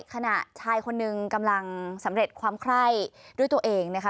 ขณะชายคนหนึ่งกำลังสำเร็จความไคร้ด้วยตัวเองนะคะ